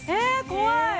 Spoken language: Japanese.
怖い